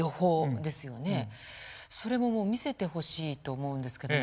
それも見せてほしいと思うんですけれども。